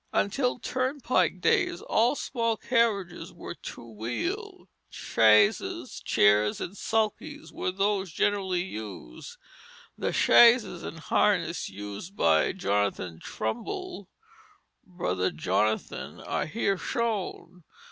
Until turnpike days all small carriages were two wheeled; chaises, chairs, and sulkies were those generally used. The chaise and harness used by Jonathan Trumbull "Brother Jonathan" are here shown.